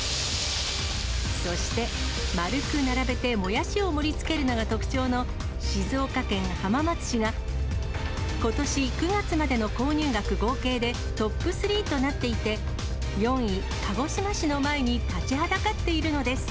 そして丸く並べてもやしを盛りつけるのが特徴の、静岡県浜松市が、ことし９月までの購入額合計でトップ３となっていて、４位、鹿児島市の前に立ちはだかっているのです。